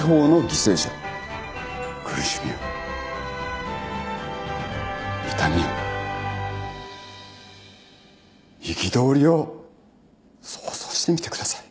苦しみを痛みを憤りを想像してみてください。